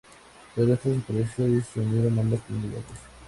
Pero esto desapareció y se unieron ambas comunidades.